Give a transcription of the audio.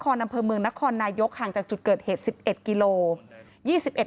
อำเภอเมืองนครนายกห่างจากจุดเกิดเหตุ๑๑กิโล